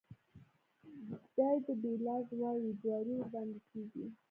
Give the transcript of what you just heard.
دې ته بيليارډ وايي جواري ورباندې کېږي.